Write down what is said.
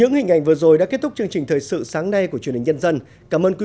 gia đình nội dung số một triệu đô la sử dụng với một năng lượng cao